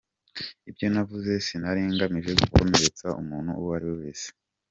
Ibyo navuze sinari ngamije gukomeretsa umuntu uwo ari wese.